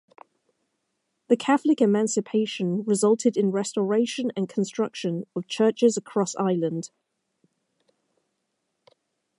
The Catholic Emancipation resulted in restoration and construction of churches across Ireland.